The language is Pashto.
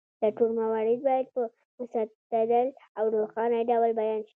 دا ټول موارد باید په مستدل او روښانه ډول بیان شي.